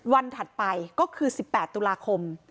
ถัดไปก็คือ๑๘ตุลาคม